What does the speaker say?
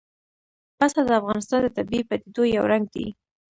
پسه د افغانستان د طبیعي پدیدو یو رنګ دی.